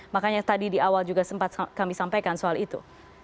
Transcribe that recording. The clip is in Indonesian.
makanya tadi di awal juga sempat kami sampaikan soal itu